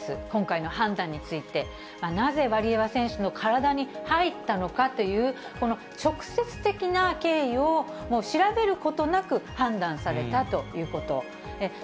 今回の判断について、なぜワリエワ選手の体に入ったのかという、この直接的な経緯をもう調べることなく、判断されたということ。